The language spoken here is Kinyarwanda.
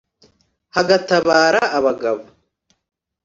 hagatabara abagabo.